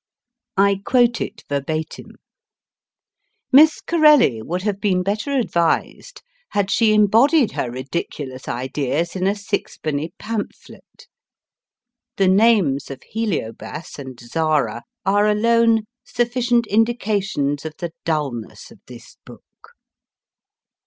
I quote it verbatim : Miss Corelli would have been better advised had she embodied her ridiculous ideas in a sixpenny pamphlet. The names of Heliobas and Zara are alone sufficient indications of the dulness of this book.